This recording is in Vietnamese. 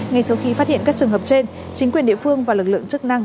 ngay sau khi phát hiện các trường hợp trên chính quyền địa phương và lực lượng chức năng